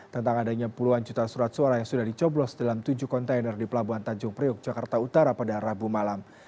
tentang adanya puluhan juta surat suara yang sudah dicoblos dalam tujuh kontainer di pelabuhan tanjung priok jakarta utara pada rabu malam